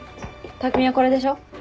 匠はこれでしょ。